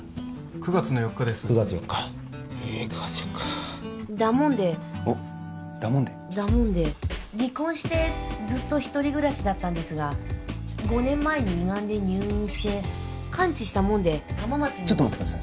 ９月４日え９月４日だもんでおッだもんでだもんで離婚してずっと一人暮らしだったんですが５年前に胃ガンで入院して完治したもんで浜松に待ってください